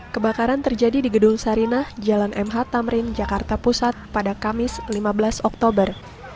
kebakaran terjadi di gedung sarinah jalan mh tamrin jakarta pusat pada kamis lima belas oktober